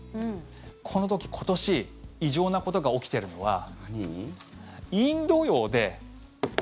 この時、今年異常なことが起きているのはなんで？